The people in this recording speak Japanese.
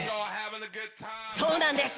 そうなんです。